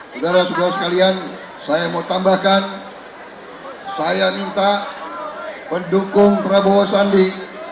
saudara saudara sekalian saya mau tambahkan saya minta pendukung prabowo sandi